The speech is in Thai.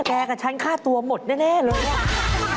กับฉันค่าตัวหมดแน่เลยอะ